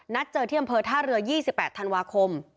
เจอที่อำเภอท่าเรือ๒๘ธันวาคม